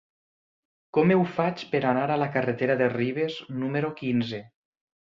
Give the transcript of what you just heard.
Com ho faig per anar a la carretera de Ribes número quinze?